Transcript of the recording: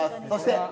そして。